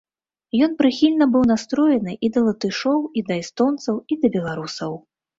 Ён прыхільна быў настроены і да латышоў, і да эстонцаў, і да беларусаў.